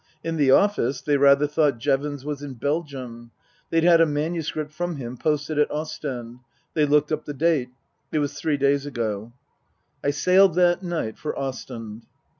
In the office they rather thought Jevons was in Belgium. They'd had a manuscript from him posted at Ostend. They looked up the date. It was three days ago. I sailed that night for Ostend.